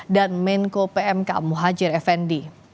dan menko pmk muhajir effendi